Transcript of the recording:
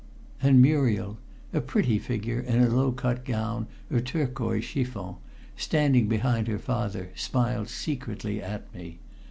And Muriel, a pretty figure in a low cut gown of turquoise chiffon, standing behind her father, smiled secretly at me.